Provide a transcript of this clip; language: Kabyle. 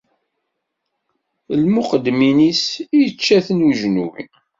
Lmuqeddmin-is ičča-ten ujenwi.